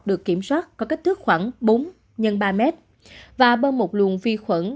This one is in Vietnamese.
được kiểm soát có kích thước khoảng bốn x ba m và bơm một luồng vi khuẩn